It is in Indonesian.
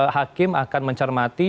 hakim akan mencermati